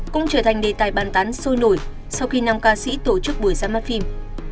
cũng trở thành đề tài bàn tán sôi nổi sau khi năm ca sĩ tổ chức buổi ra mắt phim